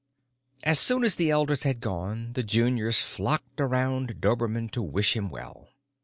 As soon as the elders had gone, the juniors flocked around Dobermann to wish him well.